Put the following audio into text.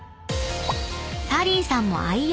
［サリーさんも愛用！